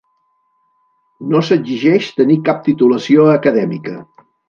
No s'exigeix tenir cap titulació acadèmica.